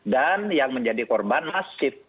dan yang menjadi korban masif